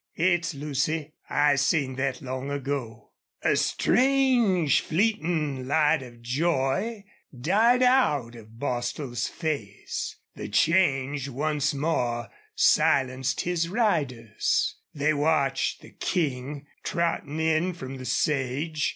"It's Lucy! I seen thet long ago." A strange, fleeting light of joy died out of Bostil's face. The change once more silenced his riders. They watched the King trotting in from the sage.